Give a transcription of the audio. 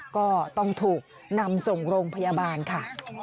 ก็ต้องถูกนำส่งโรงพยาบาลค่ะ